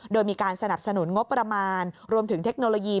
โดยมีการสนับสนุนงบประมาณรวมถึงเทคโนโลยี